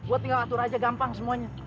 gue tinggal atur aja gampang semuanya